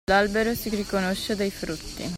L'albero si riconosce dai frutti.